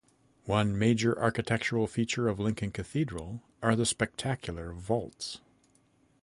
One major architectural feature of Lincoln Cathedral are the spectacular vaults.